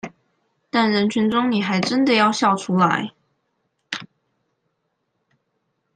但人群中你還真的要笑出來